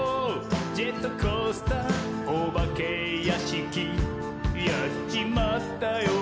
ジェットコースターおばけやしき」「やっちまったよ！